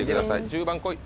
１０番来い！